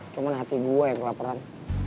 cuma hati gue yang kelaparan